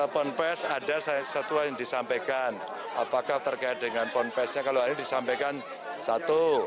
ponpes ada saya satu yang disampaikan apakah terkait dengan ponpesnya kalau disampaikan satu